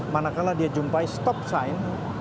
manakala dia jumpai stop sign